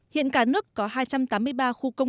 hiện cả nước có hai trăm tám mươi ba khuôn